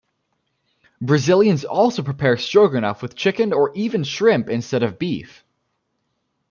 Brazilians also prepare Stroganoff with chicken or even shrimp instead of beef.